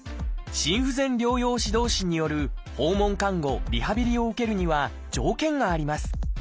心不全療養指導士による訪問看護リハビリを受けるには条件があります。